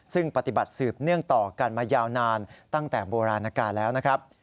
ซึ่งปฏิบัติสืบเนื่องต่อกันมายาวนานตั้งแต่โบราณการแล้วนะครับ